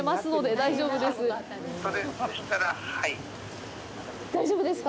大丈夫ですか？